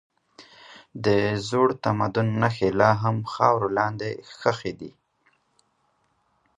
د زوړ تمدن نښې لا هم خاورو لاندې ښخي دي.